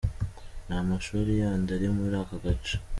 Nta mashuri yandi ari muri aka gace.